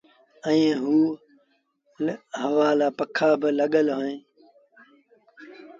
ائيٚݩ هوآ لآ پکآ با لڳل اوهيݩ۔